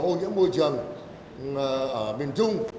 ô nhiễm môi trường ở bình trung